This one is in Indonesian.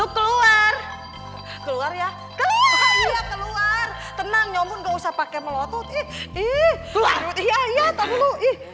keluar keluar ya keluar tenang nyobot gak usah pakai melotot ih iya iya kamu